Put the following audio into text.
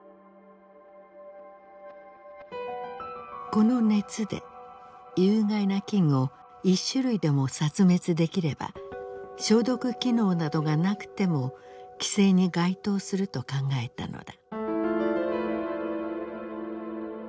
この熱で有害な菌を一種類でも殺滅できれば消毒機能などがなくても規制に該当すると考えたのだ。